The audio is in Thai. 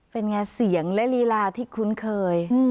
เป็นไงเสียงและลีลาที่คุ้นเคย